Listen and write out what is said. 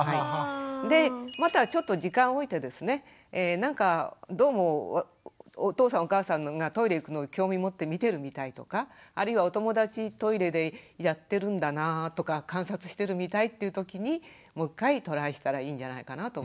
でまたちょっと時間を置いてですねなんかどうもお父さんお母さんがトイレ行くのを興味持って見てるみたいとかあるいはお友達トイレでやってるんだなぁとか観察してるみたいというときにもう一回トライしたらいいんじゃないかなと思います。